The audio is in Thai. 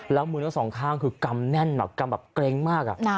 แล้วมือทั้งสองข้างคือกำแน่นแบบกำแบบเกร็งมาก